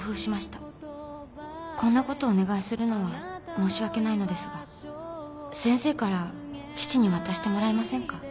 こんなことお願いするのは申し訳ないのですが先生から父に渡してもらえませんか？